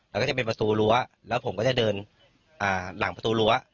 แล้วก็จะเป็นประตูรั้วแล้วผมก็จะเดินหลังประตูรั้ว